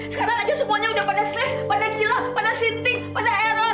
sekarang aja semuanya udah pada stress pada gila pada sinting pada error